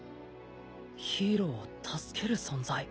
ヒーローを助ける存在。